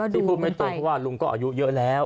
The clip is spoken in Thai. ที่พูดไม่ตรงเพราะว่าลุงก็อายุเยอะแล้ว